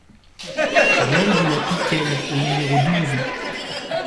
Ruelle de la Piquelle au numéro douze